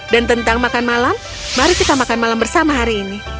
dan tentang makan malam mari kita makan malam bersama hari ini